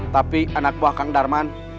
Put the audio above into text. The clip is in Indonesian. tapi anak buah kang darman